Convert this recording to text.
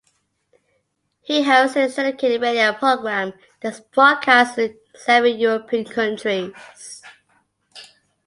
He hosts a syndicated radio program that is broadcast in seven European countries.